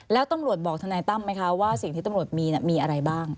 แล้วตำรวจบอกทนายตั้มไหมคะว่าสิ่งที่ตำรวจมีมีอะไรบ้าง